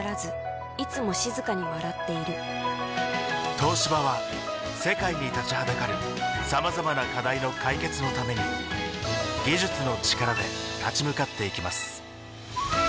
東芝は世界に立ちはだかるさまざまな課題の解決のために技術の力で立ち向かっていきます